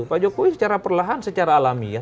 pak jokowi secara perlahan secara alamiah